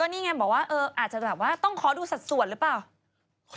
ก็นี่ไงบอกว่าอาจจะต้องขอดูสัดส่วนรึเปล่า